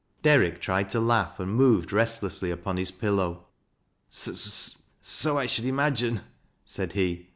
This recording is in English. Derrick tried to laugh, and moved restlessly upon hia pillow,, " So I should imagine," said he.